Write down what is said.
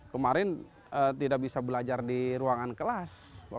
kemarin tidak bisa belajar di ruangan kelas